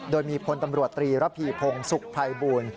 โดยมีพลตำรวจตรีระพีพงศุกร์ภัยบูรณ์